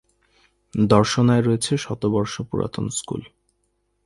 দর্শনায় রয়েছে শতবর্ষ পুরাতন স্কুল।